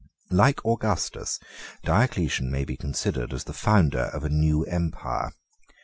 Like Augustus, Diocletian may be considered as the founder of a new empire.